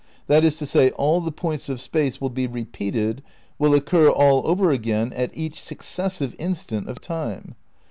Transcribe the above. That is to say, all the points of Space will be repeated, will occur all over again at each successive instant of Time.